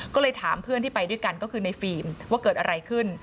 ก็เลยถามเพื่อนที่ไปด้วยกันก็คือในฟิล์มว่าเกิดอะไรขึ้น